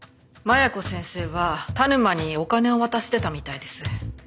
麻弥子先生は田沼にお金を渡してたみたいです。